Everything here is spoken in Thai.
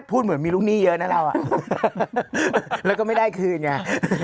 เหมือนมีลูกหนี้เยอะนะเราแล้วก็ไม่ได้คืนไง